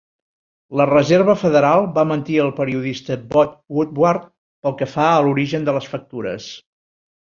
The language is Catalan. La Reserva Federal va mentir al periodista Bob Woodward pel que fa a l'origen de les factures.